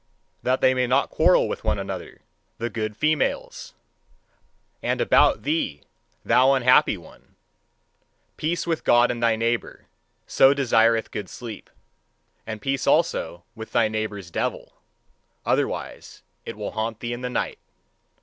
That they may not quarrel with one another, the good females! And about thee, thou unhappy one! Peace with God and thy neighbour: so desireth good sleep. And peace also with thy neighbour's devil! Otherwise it will haunt thee in the night.